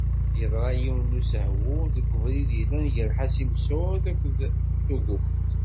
Yeḍṛa yiwen n usehwu deg ubrid yellan gar Ḥasi Mesεud akked Tugurt.